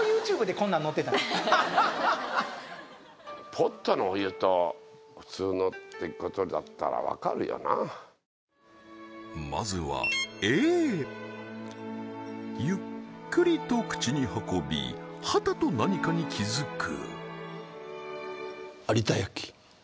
ポットのお湯と普通のってことだったらわかるよなまずはＡゆっくりと口に運びはたと何かに気づく有田焼？